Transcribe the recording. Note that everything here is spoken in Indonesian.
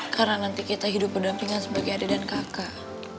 karena nanti kita hidup berdampingan sebagai adik dan kakak